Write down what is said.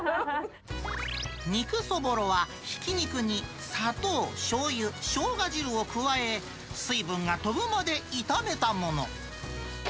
肉そぼろは、ひき肉に砂糖、しょうゆ、しょうが汁を加え、水分が飛ぶまで炒めたもの。